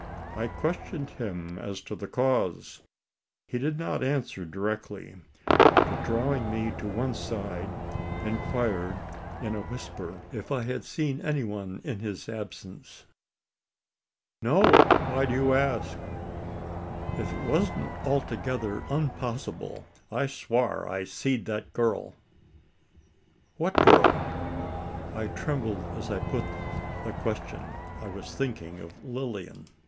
I questioned him as to the cause. He did not answer directly; but, drawing me to one side, inquired in a whisper, if I had seen any one in his absence. "No. Why do you ask?" "If it wan't altogether unpossible, I'd swar I seed that girl." "What girl?" I trembled, as I put the question: I was thinking of Lilian.